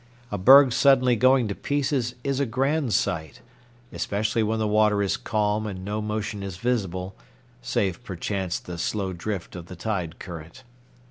A berg suddenly going to pieces is a grand sight, especially when the water is calm and no motion is visible save perchance the slow drift of the tide current.